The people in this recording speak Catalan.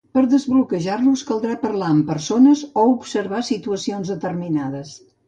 Per a desbloquejar-los caldrà parlar amb persones o observar situacions determinades.